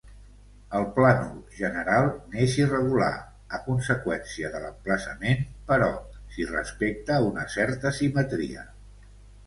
El plànol general n'és irregular, a conseqüència de l'emplaçament, però s'hi respecta una certa simetria.